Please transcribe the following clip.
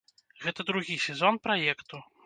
Гэта другі сезон праекту.